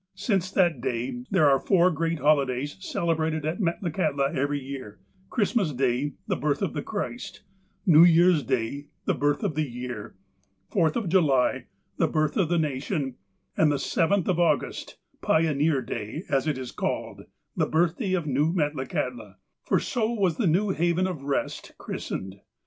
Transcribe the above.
Since that day there are four great holidays celebrated at Metlakahtla every year : Christmas Day, the birthday of the Christ ; New Year's Day, the birthday of the year ; Fourth of July, the birthday of the Nation, and the 7tli of August, "Pioneer Day," as it is called, the birth day of New Metlakahtla, for so was the new haven of rest christened.